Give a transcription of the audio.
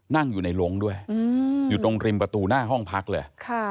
นั่งอยู่ในโรงด้วยอยู่ตรงริมประตูหน้าห้องพักเลย